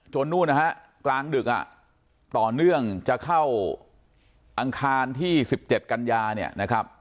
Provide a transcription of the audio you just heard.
จนนู่นกลางดึกต่อเนื่องจะเข้าอังคารที่สิบเจ็ดกัญญา